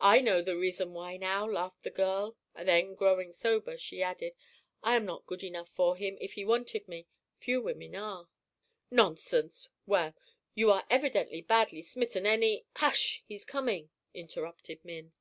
"I know the reason why now," laughed the girl; then growing sober, she added: "I am not good enough for him if he wanted me; few women are." "Nonsense! Well, you are evidently badly smitten any " "Hush, he's coming," interrupted Min.